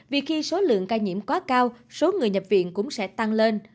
vì khi số lượng ca nhiễm quá cao số người nhập viện cũng sẽ tăng lên